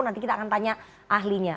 nanti kita akan tanya ahlinya